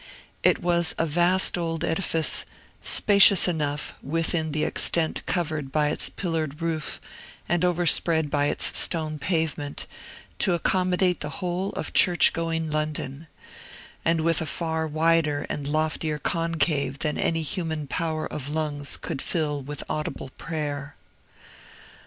It was a vast old edifice, spacious enough, within the extent covered by its pillared roof and overspread by its stone pavement, to accommodate the whole of church going London, and with a far wider and loftier concave than any human power of lungs could fill with audible prayer.